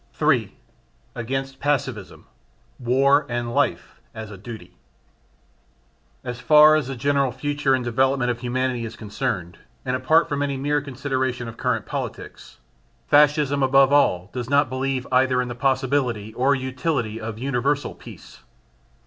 3. Against Pacifism: War and Life as a Duty. As far as the general future and development of humanity is concerned, and apart from any mere consideration of current politics, Fascism above all does not believe either in the possibility or utility of universal peace.